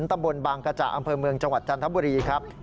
ตำบลบางกระจ่าอำเภอเมืองจังหวัดจันทบุรีครับ